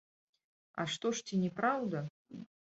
А што ж, ці не праўда?